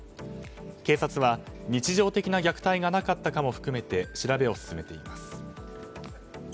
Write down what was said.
警察は日常的な虐待がなかったかも含めて調べを進めています。